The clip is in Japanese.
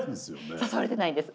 誘われてないんです。